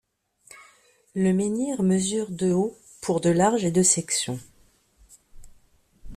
Le menhir mesure de haut pour de large et de section.